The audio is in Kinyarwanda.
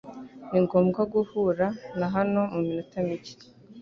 Ningomba guhura na hano muminota mike.